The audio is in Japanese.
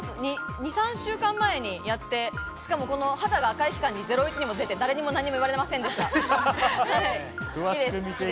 ２３週間前にやって、しかも肌が赤い期間に『ゼロイチ』にも出て、誰にも何も言われませんでした。